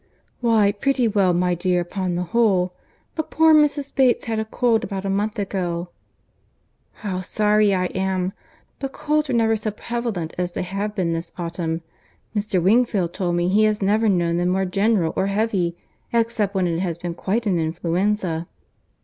"Why, pretty well, my dear, upon the whole. But poor Mrs. Bates had a bad cold about a month ago." "How sorry I am! But colds were never so prevalent as they have been this autumn. Mr. Wingfield told me that he has never known them more general or heavy—except when it has been quite an influenza."